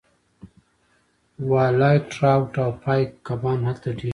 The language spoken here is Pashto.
والای ټراوټ او پایک کبان هلته ډیر دي